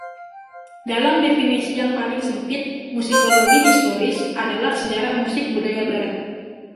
Dalam definisi yang paling sempit, musikologi historis adalah sejarah musik budaya Barat.